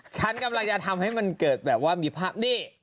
ชันกำลังจะทำให้มันเกิดมีภาพนี่